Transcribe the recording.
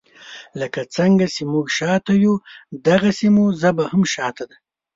لکه څنګه چې موږ شاته یو داغسي مو ژبه هم شاته ده.